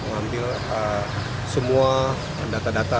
mengambil semua data data